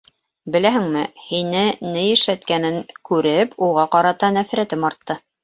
Беләһеңме, һине ни эшләткәнен күреп, уға ҡарата нәфрәтем артты.